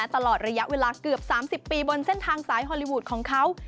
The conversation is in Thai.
ตลอดระยะเวลาเกือบ๓๐ปีบนเส้นทางสายฮอลลีวูดของเขา